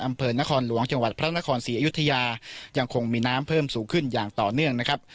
อำเภอนครหลวงจังหวัดพระนครศรีอยุธยายังคงมีน้ำเพิ่มสูงขึ้นอย่างต่อเนื่องนะครับ